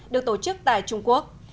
được tổ chức tại trung quốc